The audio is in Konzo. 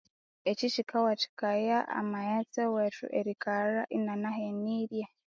Ekyikyikawathikaya amaghetse wethu erikalha inanahenirye